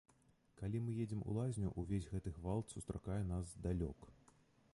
Калі мы едзем у лазню, увесь гэты гвалт сустракае нас здалёк.